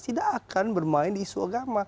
tidak akan bermain di isu agama